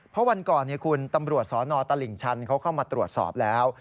เพราะวันก่อนคุณตำรวจสนตลิ่งชันเขาเข้ามาตรวจสอบแล้ว